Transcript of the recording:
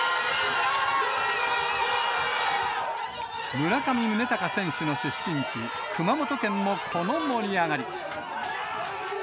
村上宗隆選手の出身地、熊本県もこの盛り上がり。